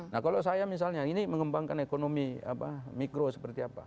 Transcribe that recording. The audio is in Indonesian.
nah kalau saya misalnya ini mengembangkan ekonomi mikro seperti apa